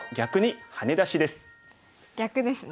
逆ですね。